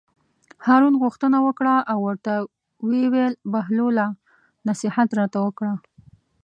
هارون غوښتنه وکړه او ورته ویې ویل: بهلوله نصیحت راته وکړه.